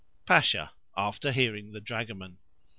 Pasha (after hearing the dragoman).